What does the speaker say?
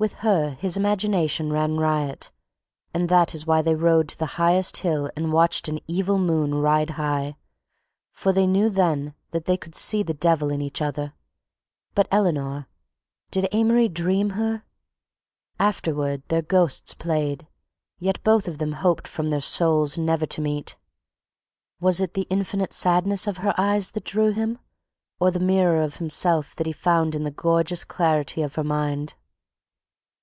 With her his imagination ran riot and that is why they rode to the highest hill and watched an evil moon ride high, for they knew then that they could see the devil in each other. But Eleanor—did Amory dream her? Afterward their ghosts played, yet both of them hoped from their souls never to meet. Was it the infinite sadness of her eyes that drew him or the mirror of himself that he found in the gorgeous clarity of her mind?